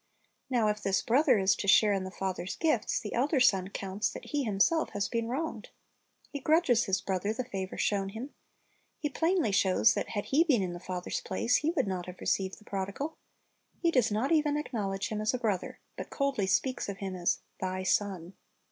Now if this brother is to share in the father's gifts, the elder son counts that he him self has been wronged. He grudges his brother the favor shown him. He plainly shows that had he been in the father's place, he would not have received the prodigal. He does not even acknowledge him as a brother, but coldly speaks of him as "thy son."